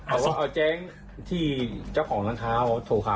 เอาแจ้งที่เจ้าของรังทายมาโทษค่ะ